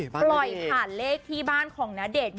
ปล่อยผ่านเลขที่บ้านของณเดชน์